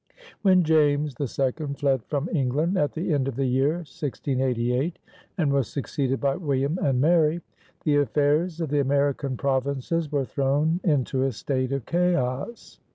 When James II fled from England at the end of the year 1688 and was succeeded by William and Mary, the affairs of the American provinces were thrown into a state of chaos.